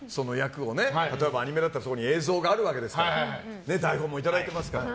例えばアニメだったらそこに映像があるわけですから台本もいただいていますから。